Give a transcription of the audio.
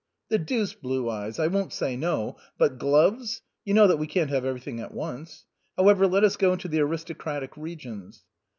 " The deuce, blue eyes, I won't say no — but gloves — you know that we can't have everything at once. However, let us go into the aristocratic regions."